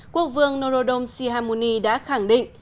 quốc vương norodom sihamuni đã khẳng định